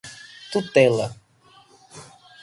tutela